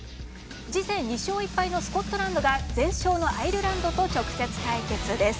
次戦、２勝１敗のスコットランドが全勝のアイルランドと直接対決です。